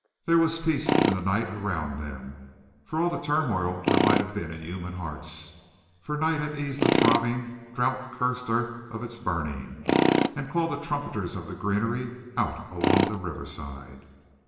There was peace in the night around them, for all the turmoil there might be in human hearts, for night had eased the throbbing, drouth cursed earth of its burning, and called the trumpeters of the greenery out along the riverside.